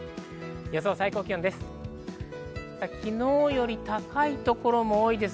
予想最高気温です。